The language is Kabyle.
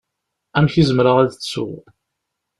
Amek i zemreɣ ad t-ttuɣ?